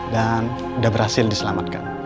dan udah berhasil diselamatkan